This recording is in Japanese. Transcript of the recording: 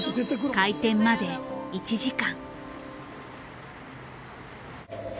開店まで１時間。